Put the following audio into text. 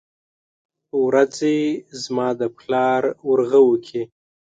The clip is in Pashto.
ورځې زما دپلار ورغوو کې